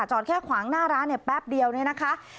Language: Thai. จอดแค่ขวางหน้าร้านแป๊บเดียวนี่นะคะ